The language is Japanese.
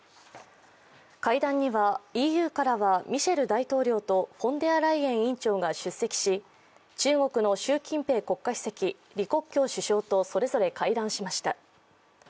会談にはＥＵからはミシェル大統領とフォンデアライエン委員長が出席し中国の習近平国家主席、李克強首相とそれぞれ会談しました。